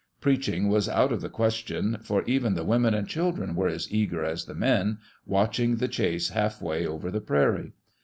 Preaching was out of the question, for even the women and children were as eager as the men, watching the chase half way over the prairie.